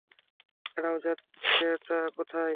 দাঁড়াও, যাচ্ছোটা কোথায়?